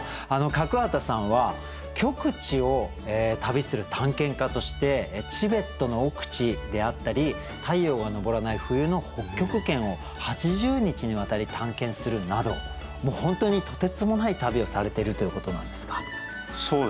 角幡さんは極地を旅する探検家としてチベットの奥地であったり太陽が昇らない冬の北極圏を８０日にわたり探検するなどもう本当にとてつもない旅をされてるということなんですが。